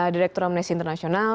direktur ham nesi internasional